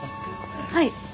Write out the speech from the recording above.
はい。